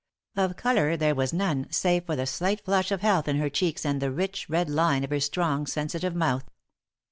Of color there was none, save for the slight flush of health in her cheeks and the rich, red line of her strong, sensitive mouth.